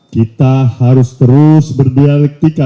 kita harus terus berdialektika